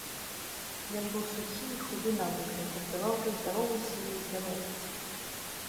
Ён быў сухі і худы на выгляд і здаваўся здаровы сілай і здароўем.